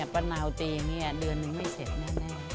ป้านาวตีอย่างนี้เดือนนึงไม่เสร็จแน่